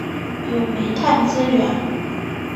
有煤炭资源。